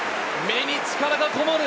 目に力がこもる。